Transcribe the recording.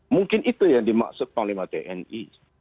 mungkin itu yang dimaksud panglima tni